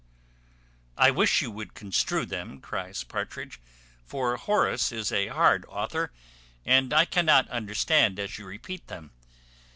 _'" "I wish you would construe them," cries Partridge; "for Horace is a hard author, and I cannot understand as you repeat them."